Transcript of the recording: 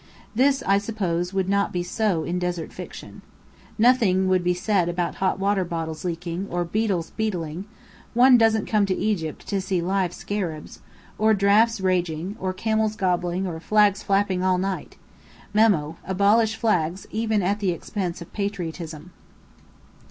This, I suppose, would not be so in desert fiction. Nothing would be said about hot water bottles leaking, or beetles beetling (one doesn't come to Egypt to see live scarabs), or draughts raging, or camels gobbling, or flags flapping all night. (Memo: Abolish flags, even at expense of patriotism.)